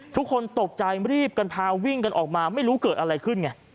ทุกคนตกใจรีบกันพาวิ่งกันออกมาไม่รู้เกิดอะไรขึ้นไง